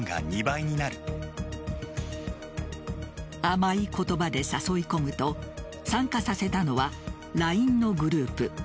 甘い言葉で誘い込むと参加させたのはＬＩＮＥのグループ。